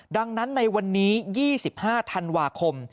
ดังนั้นในวันนี้๒๕ธันวาคม